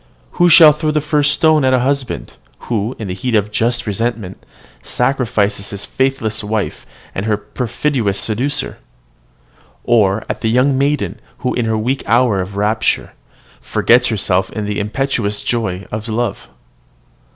Who shall throw the first stone at a husband, who, in the heat of just resentment, sacrifices his faithless wife and her perfidious seducer? or at the young maiden, who, in her weak hour of rapture, forgets herself in the impetuous joys of love?